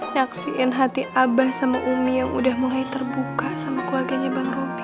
nyaksiin hati abah sama umi yang udah mulai terbuka sama keluarganya bang rupi